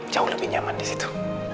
jauh lebih nyaman disitu